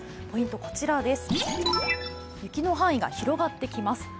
ポイントは、雪の範囲が広がってきます。